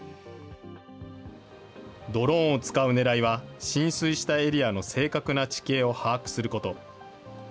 ドローンを使うねらいは、浸水したエリアの正確な地形を把握すること。